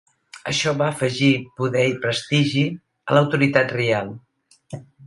Això va afegir poder i prestigi a l'autoritat reial.